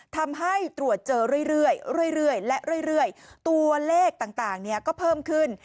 ทำให้ตรวจเจอเรื่อยตัวเลขต่างเนี่ยก็เพิ่มขึ้น